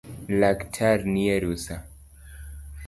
Laktar nie rusaa